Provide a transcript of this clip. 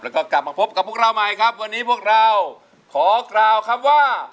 แล้วก็กลับมาพบกับพวกเราใหม่ครับวันนี้พวกเราขอกล่าวคำว่า